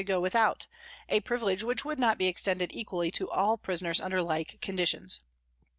FROM THE CELLS 187 without a privilege which would not be extended equally to all prisoners under like conditions.